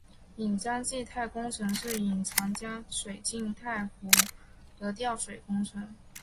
引江济太工程是引长江水进入太湖的调水工程。